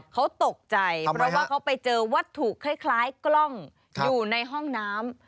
เขาตกใจเพราะว่าเขาไปเจอวัตถุคล้ายกล้องอยู่ในห้องน้ำ